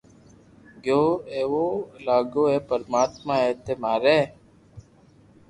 گيو ھين اووا لاگو اي پرماتما اج ٿي ماري